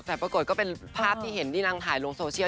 แต่ปรากฏก็เป็นภาพที่เห็นที่นางถ่ายลงโซเชียล